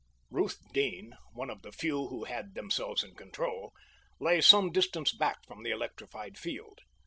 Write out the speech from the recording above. Ruth Deane, one of the few who had themselves in control, lay some distance back from the electrified field.